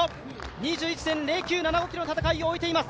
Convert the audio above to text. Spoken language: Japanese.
２１．０９７５ｋｍの戦いを終えています。